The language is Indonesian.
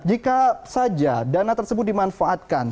jika saja dana tersebut dimanfaatkan